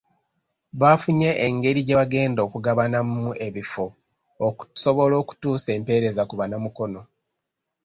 Bafunye engeri gye bagenda okugabanamu ebifo, okusobola okutuusa empeereza ku Bannamukono.